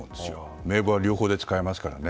名簿は両方で使えますからね。